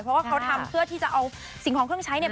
เพราะว่าเขาทำเพื่อที่จะเอาสิ่งของเครื่องใช้เนี่ย